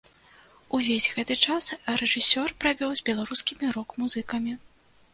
Увесь гэты час рэжысёр правёў з беларускімі рок-музыкамі.